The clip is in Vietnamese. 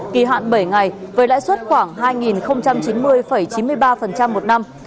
kỳ hạn bảy ngày với lãi suất khoảng hai chín mươi chín mươi ba một năm